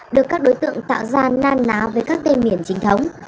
được các đối tượng tạo ra nan lá với các tên miền trình thống